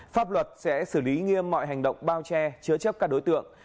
pháp luật sẽ xử lý nghiêm mọi hành động bao che chứa chấp các đối tượng